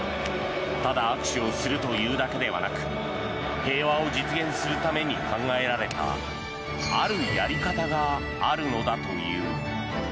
ただ握手をするというだけではなく平和を実現するために考えられたあるやり方があるのだという。